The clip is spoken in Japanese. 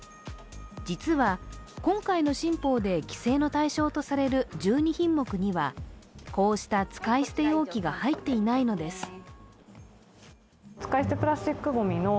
実は、今回の新法で規制の対象とされる１２品目にはこうした使い捨て容器が入っていないのです。